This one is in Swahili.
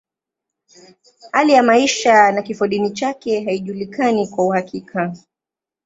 Hali ya maisha na kifodini chake haijulikani kwa uhakika.